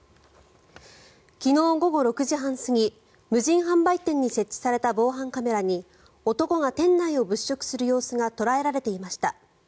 昨日午後６時半過ぎ無人販売店に設置された防犯カメラに男が店内を物色する様子が捉えられていました。